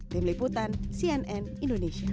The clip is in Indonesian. tim liputan cnn indonesia